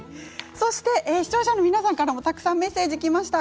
視聴者の皆さんからもたくさんメッセージがきました。